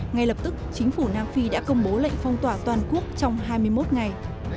ngay lập tức chính phủ nam phi đã công bố lệnh phong tỏa toàn quốc trong hai mươi một ngày